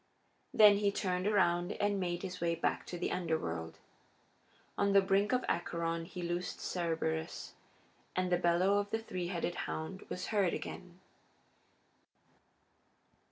Then he turned around and made his way back to the Underworld. On the brink of Acheron he loosed Cerberus, and the bellow of the three headed hound was heard again.